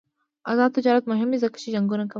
آزاد تجارت مهم دی ځکه چې جنګونه کموي.